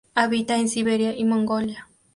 Habita en Siberia y Mongolia.